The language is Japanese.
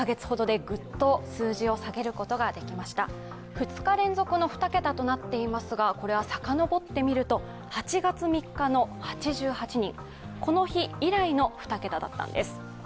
２日連続の２桁となっていますが、これはさかのぼってみると８月３日の８８人以来の２桁だったんです。